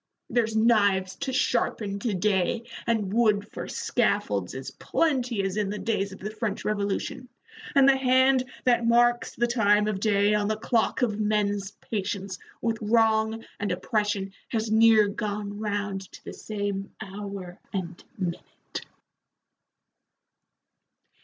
There's knives to sharpen to day, and wood for scaffolds as plenty as in the days of the French Revolution, and the hand that marks the time of day on the clock of men's patience with wrong and oppression has near gone round to the same hour and minute."